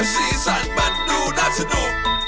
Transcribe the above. สีสันมันดูน่าสนุก